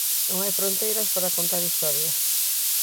Non hai fronteiras para contar historias.